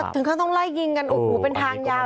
ถึงเขาต้องไล่ยิงกันโอ้โหเป็นทางยาว